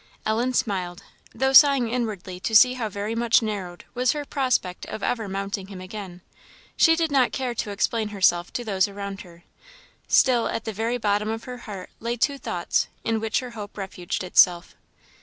Ellen smiled, though sighing inwardly to see how very much narrowed was her prospect of ever mounting him again. She did not care to explain herself to those around her. Still, at the very bottom of her heart lay two thoughts, in which her hope refuged itself.